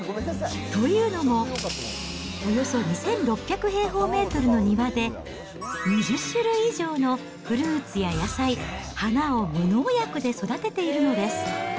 というのも、およそ２６００平方メートルの庭で、２０種類以上のフルーツや野菜、花を無農薬で育てているのです。